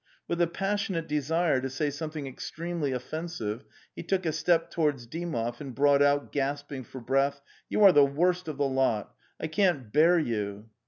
With a passionate desire to say something extremely offensive, he took a step towards Dymov and brought out, gasping for breath: 'You are the worst of the lot; I can't bear you!